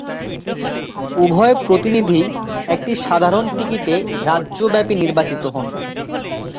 উভয় প্রতিনিধিই একটি সাধারণ টিকিটে রাজ্যব্যাপী নির্বাচিত হন।